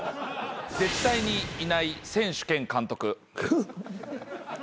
絶対にいない選手兼監督。